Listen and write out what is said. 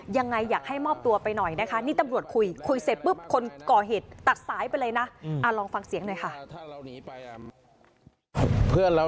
ยังไงอยากให้มอบตัวไปหน่อยนะคะนี่ตำรวจคุยคุยเสร็จปุ๊บคนก่อเหตุตักสายไปเลยนะ